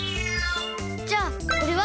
じゃこれは？